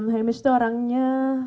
hamish tuh orangnya